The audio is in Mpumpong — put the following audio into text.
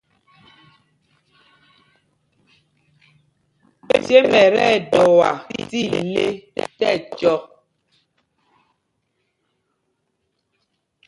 Cêm ɛ tí ɛdɔa tí ile tí ɛcyɔk.